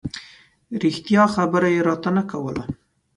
رښتیا خبره یې راته نه کوله.